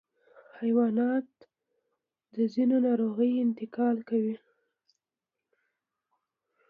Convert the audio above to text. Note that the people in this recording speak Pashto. حیوانات د ځینو ناروغیو انتقال کوي.